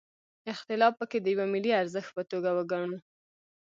اختلاف پکې د یوه ملي ارزښت په توګه وګڼو.